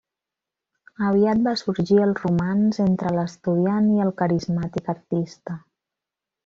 Aviat va sorgir el romanç entre l'estudiant i el carismàtic artista.